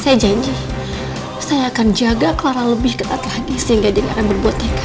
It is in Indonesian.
saya janji saya akan jaga clara lebih ketat lagi sehingga dia ini akan berbuatnya